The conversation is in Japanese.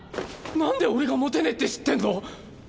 なんで俺がモテねぇって知ってんの？